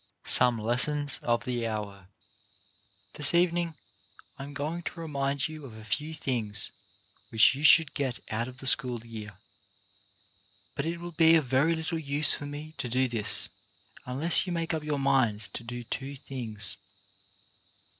SOME LESSONS OF THE HOUR This evening I am going to remind you of a few things which you should get out of the school year, but it will be of very little use for me to do this unless you make up your minds to do two things.